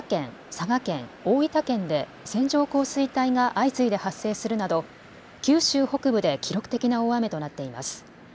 佐賀県、大分県で線状降水帯が相次いで発生するなど九州北部で記録的な大雨となっています。